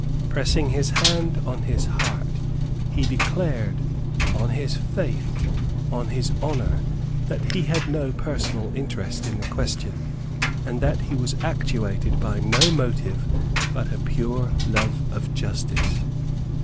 Pressing his hand on his heart, he declared, on his faith, on his honour, that he had no personal interest in the question, and that he was actuated by no motive but a pure love of justice.